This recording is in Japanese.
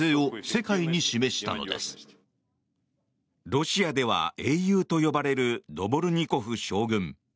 ロシアでは英雄と呼ばれるドボルニコフ将軍。